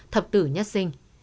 thập tử nhất sinh